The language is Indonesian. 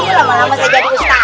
ini lama lama saya jadi ustadz